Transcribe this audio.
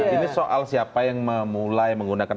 ini soal siapa yang memulai menggunakan